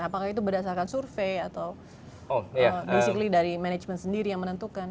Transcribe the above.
apakah itu berdasarkan survei atau basically dari manajemen sendiri yang menentukan